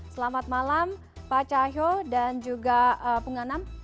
selamat malam pak cahyo dan juga pung anam